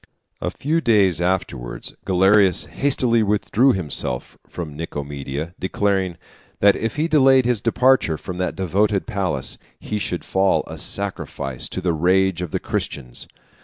A few days afterwards Galerius hastily withdrew himself from Nicomedia, declaring, that if he delayed his departure from that devoted palace, he should fall a sacrifice to the rage of the Christians.